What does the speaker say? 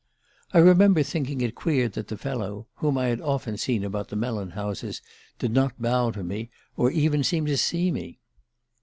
I remember thinking it queer that the fellow, whom I had often seen about the melon houses, did not bow to me, or even seem to see me.